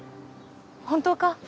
本当か？